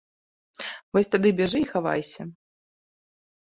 Вось тады бяжы і хавайся.